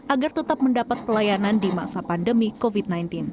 agar tetap mendapat pelayanan di masa pandemi covid sembilan belas